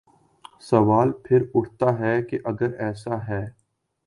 سوال پھر اٹھتا ہے کہ اگر ایسا ہے۔